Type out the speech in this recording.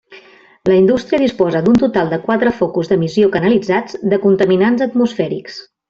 La indústria disposa d'un total de quatre focus d'emissió canalitzats de contaminants atmosfèrics.